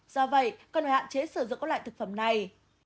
do vậy cần hạn chế sử dụng các loại thực phẩm này